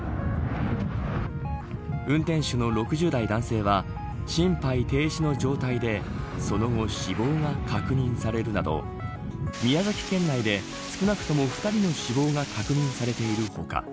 運転手の６０代男性は心肺停止の状態でその後、死亡が確認されるなど宮崎県内で少なくとも２人の死亡が確認されている他